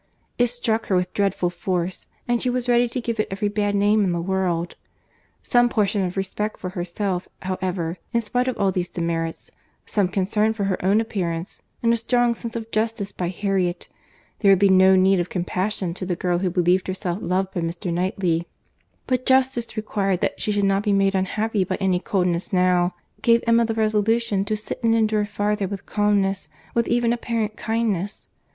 It struck her with dreadful force, and she was ready to give it every bad name in the world. Some portion of respect for herself, however, in spite of all these demerits—some concern for her own appearance, and a strong sense of justice by Harriet—(there would be no need of compassion to the girl who believed herself loved by Mr. Knightley—but justice required that she should not be made unhappy by any coldness now,) gave Emma the resolution to sit and endure farther with calmness, with even apparent kindness.